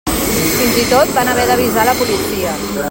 Fins i tot van haver d'avisar la policia.